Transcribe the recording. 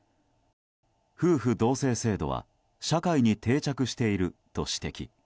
夫婦同姓制度は社会に定着していると指摘。